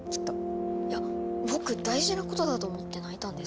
いや僕大事なことだと思って泣いたんですけど。